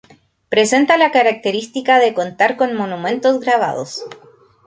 Presenta la característica de contar con monumentos grabados.